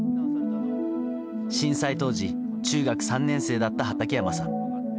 震災当時中学３年生だった畠山さん。